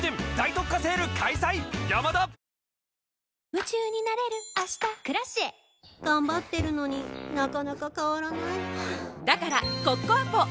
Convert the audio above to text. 夢中になれる明日「Ｋｒａｃｉｅ」頑張ってるのになかなか変わらないはぁだからコッコアポ！